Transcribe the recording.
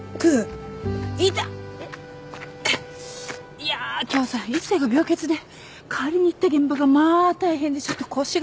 いやあ今日さ一星が病欠で代わりに行った現場がまあ大変でちょっと腰が。